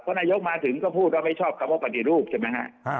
นายกมาถึงก็พูดว่าไม่ชอบคำว่าปฏิรูปใช่ไหมฮะ